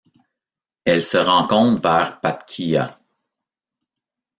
Elle se rencontre vers Patquía.